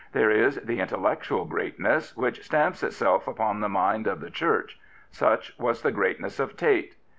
There is the intellectual greatness \^hich stamps itself upon the mind of the Church. Such was the greatness of Tait.